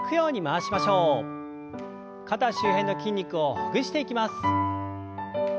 肩周辺の筋肉をほぐしていきます。